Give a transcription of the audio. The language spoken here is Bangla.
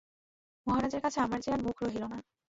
মহারাজের কাছে আমার যে আর মুখ রহিল না!